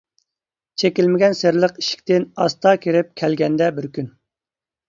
چېكىلمىگەن سىرلىق ئىشىكتىن، ئاستا كىرىپ كەلگەندە بىر كۈن.